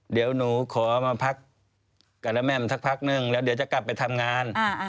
เดี๋ยวหนูขอมาพักกับแม่มสักพักนึงแล้วเดี๋ยวจะกลับไปทำงาน